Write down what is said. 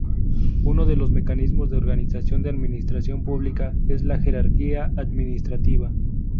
Uno de los mecanismos de organización de la Administración Pública es la jerarquía administrativa.